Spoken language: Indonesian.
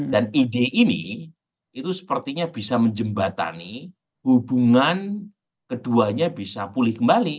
dan ide ini itu sepertinya bisa menjembatani hubungan keduanya bisa pulih kembali